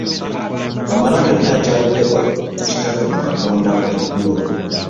Kamalabyonna yakyaliddeko ku kitaffe mu Katonda eggulo.